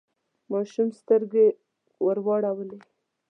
ماشوم سترګې ورواړولې.